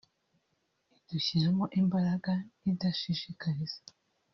idushyiramo imbaraga idashishikariza